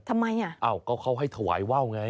ทำไมก็เขาให้ถวายเว้าไง